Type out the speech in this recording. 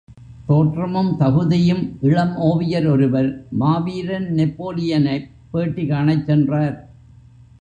தோற்றமும் தகுதியும் இளம் ஓவியர் ஒருவர் மாவீரன் நெப்போலியனைப் பேட்டி காணச் சென்றார்.